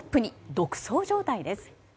独走状態です。